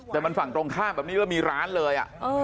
แต่มันฝั่งตรงข้ามแบบนี้แล้วมีร้านเลย